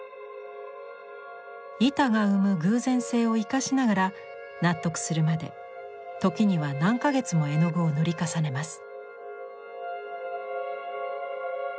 板が生む偶然性を生かしながら納得するまで時には何か月も絵の具を塗り重ねます。